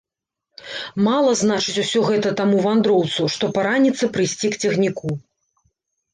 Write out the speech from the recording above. Мала значыць усё гэта таму вандроўцу, што параніцца прыйсці к цягніку.